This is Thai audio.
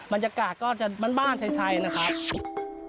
บรรยากาศก็จะบ้านไทยนะครับ